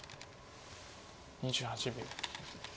２８秒。